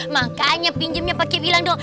makanya pinjemnya pakai bilang dong